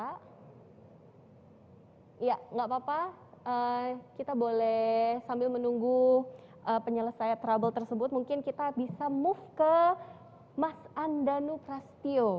ya nggak apa apa kita boleh sambil menunggu penyelesaian trouble tersebut mungkin kita bisa move ke mas andanu prasetyo